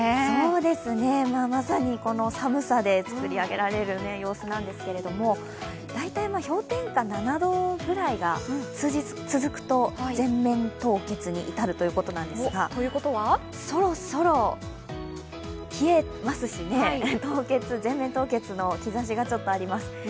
まさにこの寒さで作り上げられる様子なんですけど、大体、氷点下７度ぐらいが数日続くと全面凍結に至るということなんですがそろそろ冷えますしね、全面凍結の兆しがちょっとあります